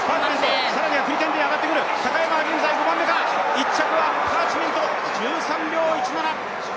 １着はパーチメント、１３秒１７。